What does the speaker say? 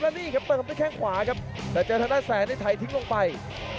แล้วนี่ครับเปิดครับด้วยแข้งขวาครับแต่เจอทางด้านแสนให้ไทยทิ้งลงไป